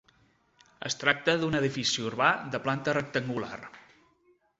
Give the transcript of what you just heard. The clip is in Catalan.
Es tracta d'un edifici urbà de planta rectangular.